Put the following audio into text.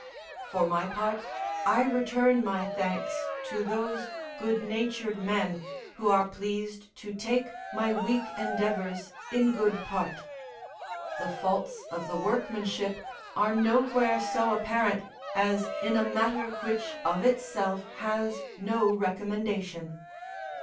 For my part, I return my thanks to those good natured men who are pleased to take my weak endeavours in good part; the faults of the workmanship are nowhere so apparent as in a matter which of itself has no recommendation.